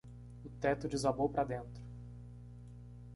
O teto desabou para dentro.